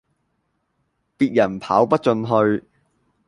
別人跑不進去